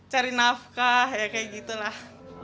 cari nafkah ya kayak gitu lah